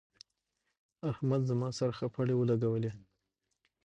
احمد زما سره خپړې ولګولې.